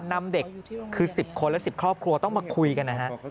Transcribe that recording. นำเด็กคือ๑๐คนและ๑๐ครอบครัวต้องมาคุยกันนะฮะ